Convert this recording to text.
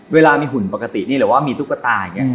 เวลามีหุ่นปกตินี่หรือว่ามีตุ๊กตาอย่างนี้